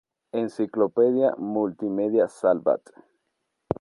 Enciclopedia multimedia Salvat.